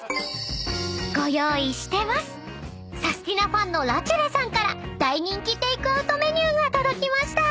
ファンの「ラチュレ」さんから大人気テークアウトメニューが届きました］